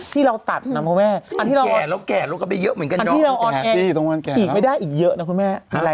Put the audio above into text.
ที่เราตัดนะครับครับแม่แต่เราแก่แล้วก็ไม้เยอะเหมือนกัน